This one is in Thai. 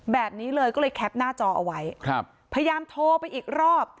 แบบนี้เลยก็เลยแคปหน้าจอเอาไว้ครับพยายามโทรไปอีกรอบ